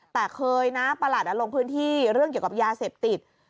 แต่เคยนะประหลัดลงพื้นที่เรื่องเกี่ยวกับยาเสพติด